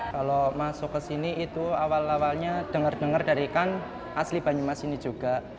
kalau masuk ke sini itu awal awalnya dengar dengar dari ikan asli banyumas ini juga